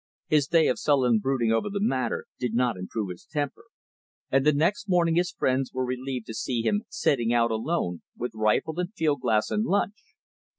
His day of sullen brooding over the matter did not improve his temper; and the next morning his friends were relieved to see him setting out alone, with rifle and field glass and lunch.